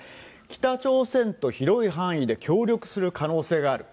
北朝鮮と広い範囲で協力する可能性がある。